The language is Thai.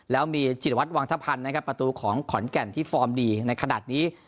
แล้วมีจิตวัตรวังทพันธ์นะครับประตูของขอนแก่นที่ฟอร์มดีในขณะนี้